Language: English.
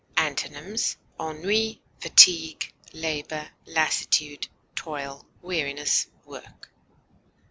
Antonyms: ennui, fatigue, labor, lassitude, toil, weariness, work.